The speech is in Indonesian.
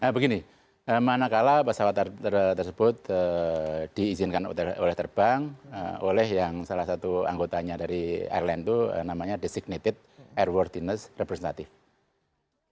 begini manakala pesawat tersebut diizinkan oleh terbang oleh yang salah satu anggotanya dari airline itu namanya designated airworthinness representative